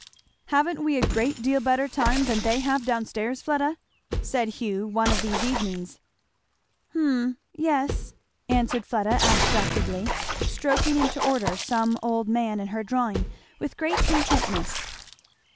"Haven't we a great deal better time than they have down stairs, Fleda?" said Hugh one of these evenings. "Hum yes " answered Fleda abstractedly, stroking into order some old man in her drawing with great intentness.